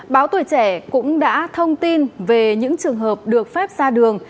báo tuổi trẻ cũng đã thông tin về những trường hợp được phép ra đường